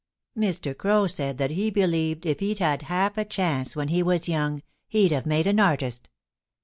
Mr. Crow said that he believed if he'd had half a chance when he was young he'd have made an artist.